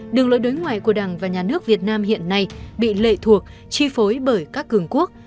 đường lối đối ngoại của đảng và nhà nước việt nam hiện nay bị lệ thuộc chi phối bởi các cường quốc